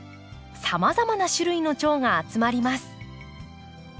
さまざまな種類のチョウが集まります。